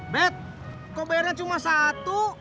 bet kau bayarnya cuma satu